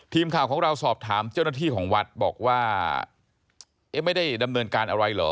ทีมข่าวของเราสอบถามเจ้าหน้าที่ของวัดบอกว่าเอ๊ะไม่ได้ดำเนินการอะไรเหรอ